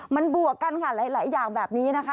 มันบวกกันค่ะหลายอย่างแบบนี้นะคะ